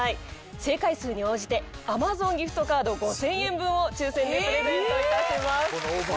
正解数に応じてＡｍａｚｏｎギフトカード５，０００円分を抽選でプレゼントいたします。